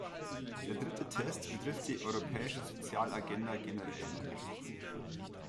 Der dritte Test betrifft die europäische Sozialagenda generell.